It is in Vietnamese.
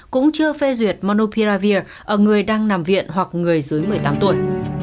cũng chưa phê duyệt manopia ở người đang nằm viện hoặc người dưới một mươi tám tuổi